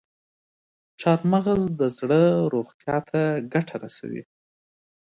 چارمغز د زړه روغتیا ته ګټه رسوي.